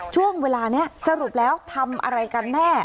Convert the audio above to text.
ช่วงเวลานี้สรุปแล้วทำอะไรกันแน่